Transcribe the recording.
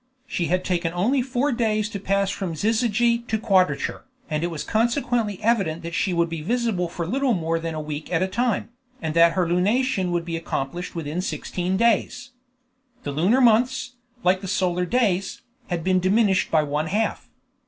She had taken only four days to pass from syzygy to quadrature, and it was consequently evident that she would be visible for little more than a week at a time, and that her lunation would be accomplished within sixteen days. The lunar months, like the solar days, had been diminished by one half.